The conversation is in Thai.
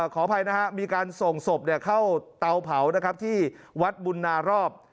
ขออภัยนะครับมีการส่งศพเข้าเตาเผานะครับที่วัดบุญนารอบ